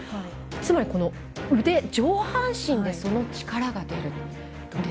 つまりこの腕、上半身でその力が出る。